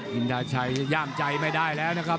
อินทาชัยย่ามใจไม่ได้แล้วนะครับ